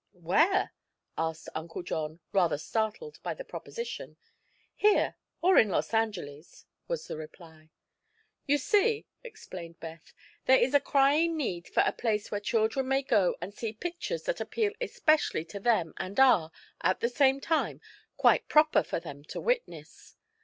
"Where?" asked Uncle John, rather startled by the proposition. "Here, or in Los Angeles," was the reply. "You see," explained Beth, "there is a crying need for a place where children may go and see pictures that appeal especially to them and are, at the same time, quite proper for them to witness.